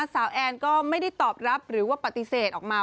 แอนก็ไม่ได้ตอบรับหรือว่าปฏิเสธออกมา